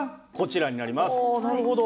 おなるほど。